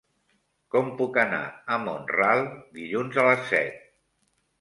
Com puc anar a Mont-ral dilluns a les set?